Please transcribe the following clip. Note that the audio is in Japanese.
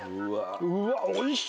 うわおいしいね。